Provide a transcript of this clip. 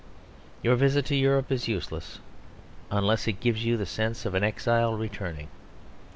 Your visit to Europe is useless unless it gives you the sense of an exile returning.